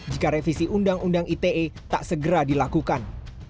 jika revisi undang undang ite tak segera dilakukan